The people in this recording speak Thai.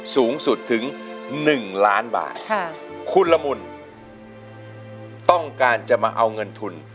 สูงสุดถึง๑ล้านบาทค่ะคุณละมุนต้องการจะมาเอาเงินทุน